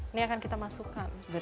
ini akan kita masukkan